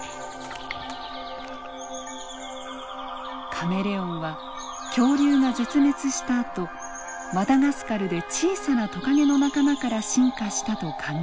カメレオンは恐竜が絶滅したあとマダガスカルで小さなトカゲの仲間から進化したと考えられています。